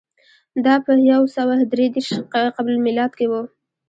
دا په یو سوه درې دېرش ق م کې و